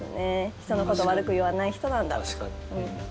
人のことを悪く言わない人なんだっていう。